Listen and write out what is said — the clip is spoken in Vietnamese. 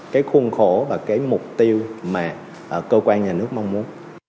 cái khuôn khổ và cái mục tiêu mà cơ quan nhà nước mong muốn